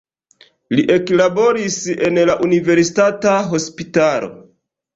Li eklaboris en la universitata hospitalo.